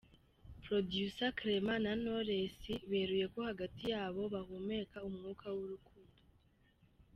Producer Clement na Knowless, beruye ko hagati yabo bahumeka umwuka w’urukundo.